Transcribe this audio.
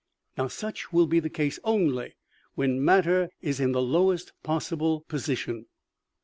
Now, such will be the case only when matter is in the lowest position possible.